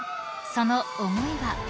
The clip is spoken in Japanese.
［その思いは？］